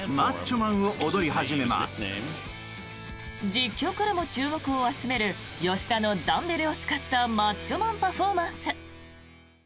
実況からも注目を集める吉田のダンベルを使ったマッチョマンパフォーマンス。